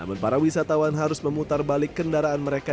namun para wisatawan harus memutar balik kendaraan mereka